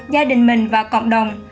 gia đình mình và cộng đồng